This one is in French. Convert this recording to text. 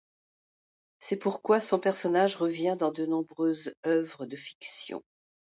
C'est pourquoi son personnage revient dans de nombreuses œuvres de fiction.